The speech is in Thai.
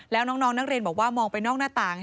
แล้วน้องนักเรียนบอกว่ามองไปนอกหน้าต่าง